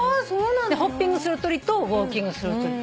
ホッピングする鳥とウオーキングする鳥。